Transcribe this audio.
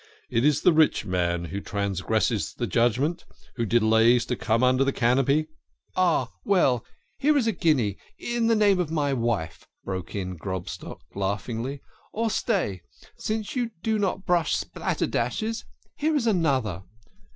It is the rich man who transgresses the Judgment, who delays to come under the Canopy." " Ah ! well, here is a guinea in the name of my wife," broke in Grobstock laughingly. " Or stay since you do not brush spatterdashes here is another."